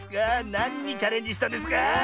なんにチャレンジしたんですか？